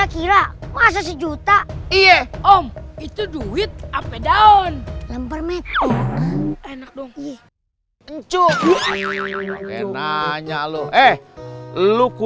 aduh mana kaki kecengklak